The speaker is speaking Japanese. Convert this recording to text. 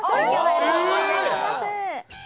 よろしくお願いします。